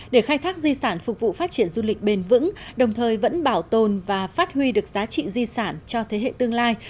để khai thác di sản phục vụ phát triển du lịch bền vững đồng thời vẫn bảo tồn và phát huy được giá trị di sản cho thế hệ tương lai